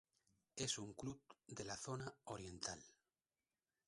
Es un club de la zona oriental.